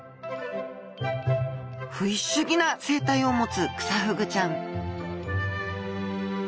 フィッシュギな生態を持つクサフグちゃん